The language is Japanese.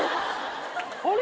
あれ？